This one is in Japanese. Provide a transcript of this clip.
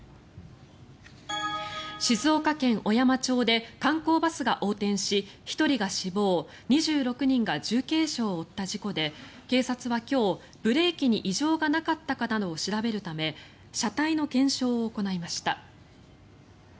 静岡県小山町で観光バスが横転し１人が死亡２６人が重軽傷を負った事故で警察は今日、ブレーキに異常がなかったかなどを調べるため車体の検証を行いました。